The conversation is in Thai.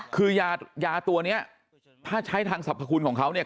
คือยาตัวนี้ถ้าใช้ทางสรรพคุณของเขาเนี่ย